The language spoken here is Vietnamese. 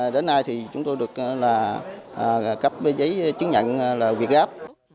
đến nay thì chúng tôi được là cấp giấy chứng nhận là việt gáp